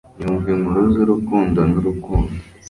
Yumva inkuru zurukundo nurukundo